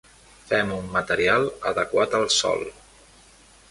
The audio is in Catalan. Fem un material adequat al sòl.